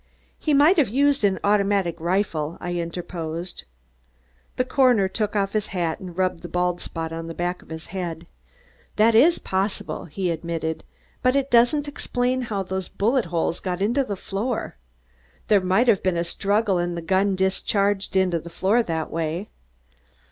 "He might have used an automatic rifle," I interposed. The coroner took off his hat and rubbed the bald spot on the back of his head. "That is possible," he admitted, "but it doesn't explain how those bullet holes got into the floor. There might have been a struggle and the gun discharged into the floor that way."